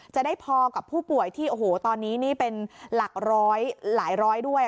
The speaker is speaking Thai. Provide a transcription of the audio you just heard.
จะได้พอกับผู้ป่วยที่โอ้โหตอนนี้นี่เป็นหลักร้อยหลายร้อยด้วย